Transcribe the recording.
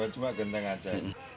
cuma genteng aja